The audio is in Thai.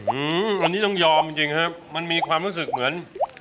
อืมวันนี้ต้องยอมจริงจริงครับมันมีความรู้สึกเหมือน